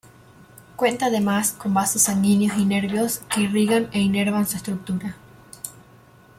Cuenta además con vasos sanguíneos y nervios que irrigan e inervan su estructura.